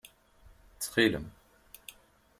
Ttxil-m.